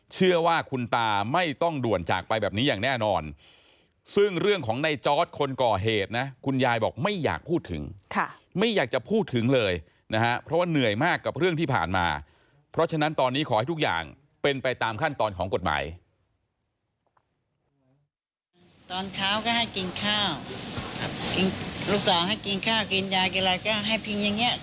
เชื่อว่าคุณตาไม่ต้องด่วนจากไปแบบนี้อย่างแน่นอนซึ่งเรื่องของในจอร์ดคนก่อเหตุนะคุณยายบอกไม่อยากพูดถึงค่ะไม่อยากจะพูดถึงเลยนะฮะเพราะว่าเหนื่อยมากกับเรื่องที่ผ่านมาเพราะฉะนั้นตอนนี้ขอให้ทุกอย่างเป็นไปตามขั้นตอนของกฎหมาย